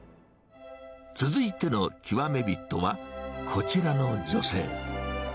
続いての極め人は、こちらの女性。